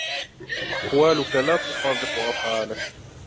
أقوالك لا تطابق أفعالك.